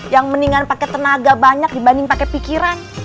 yang mendingan pake tenaga banyak dibanding pake pikiran